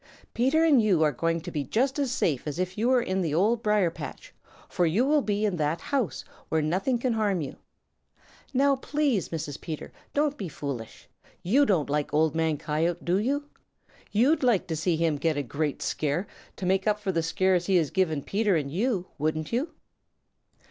"Peter and you are going to be just as safe as if you were over in the Old Briar patch, for you will be in that old house where nothing can harm you. Now, please, Mrs. Peter, don't be foolish. You don't like Old Man Coyote, do you? You'd like to see him get a great scare to make up for the scares he has given Peter and you, wouldn't you?"